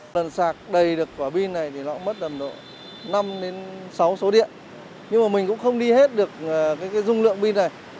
lần sạc đầy được quả pin này thì nó mất năm sáu số điện nhưng mà mình cũng không đi hết được dung lượng pin này